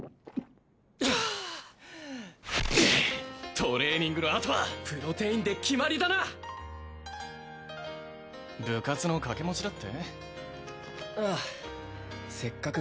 トレーニングのあとはプロテインで決まりだな部活の掛け持ちだって？